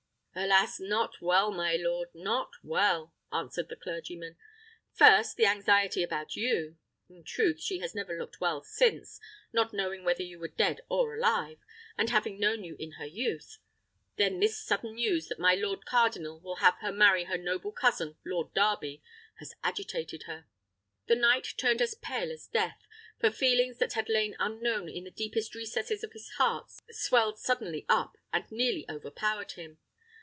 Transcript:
"Alas! not well, my lord, not well!" answered the clergyman. "First, the anxiety about you: in truth, she has never looked well since, not knowing whether you were dead or alive, and having known you in her youth. Then this sudden news, that my lord cardinal will have her marry her noble cousin, Lord Darby, has agitated her." The knight turned as pale as death, for feelings that had lain unknown in the deepest recesses of his heart swelled suddenly up, and nearly overpowered him.